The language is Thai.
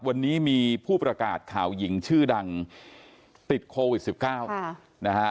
วันนี้มีผู้ประกาศข่าวหญิงชื่อดังติดโควิด๑๙นะฮะ